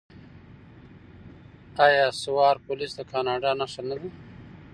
آیا سوار پولیس د کاناډا نښه نه ده؟